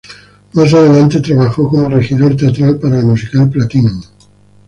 Más adelante trabajo como regidor teatral para el musical "Platinum".